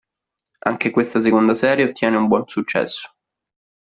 Anche questa seconda serie ottiene un buon successo.